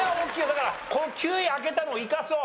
だから９位開けたのを生かそう。